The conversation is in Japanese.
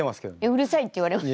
「うるさい」って言われます。